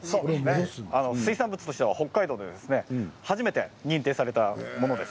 水産物としては北海道で初めて認定されたものです。